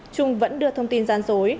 trung vẫn đưa thông tin gian dối